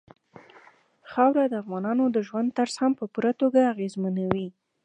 خاوره د افغانانو د ژوند طرز هم په پوره توګه اغېزمنوي.